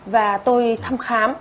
và tôi thăm khám